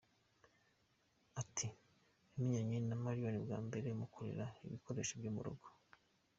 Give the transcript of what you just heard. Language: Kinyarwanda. Ati “Namenyanye na Marion bwa mbere mukorera ibikoresho byo mu rugo.